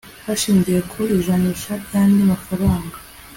hashingiwe ku ijanisha ry andi mafaranga